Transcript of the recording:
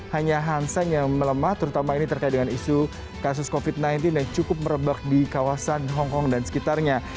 hanya hanseng yang melemah terutama ini terkait dengan isu kasus covid sembilan belas yang cukup merebak di kawasan hongkong dan sekitarnya